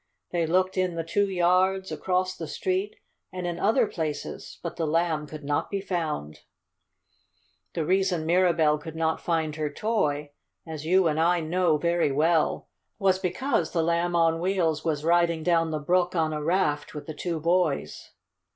They looked in the two yards, across the street, and in other places, but the Lamb could not be found. [Illustration: The Boys Leave Lamb on Wheels on the Raft] The reason Mirabell could not find her toy, as you and I know very well, was because the Lamb on Wheels was riding down the brook on a raft with the two boys.